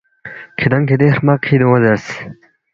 کِھدانگ کھتی ہرمق کِھدے اونگ زیرس